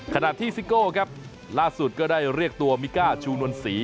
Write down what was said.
ขณะที่ซิโก้ครับล่าสุดก็ได้เรียกตัวมิก้าชูนวลศรี